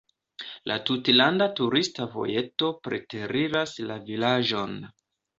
La tutlanda turista vojeto preteriras la vilaĝon.